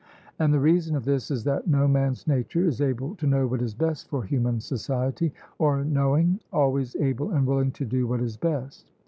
And the reason of this is that no man's nature is able to know what is best for human society; or knowing, always able and willing to do what is best.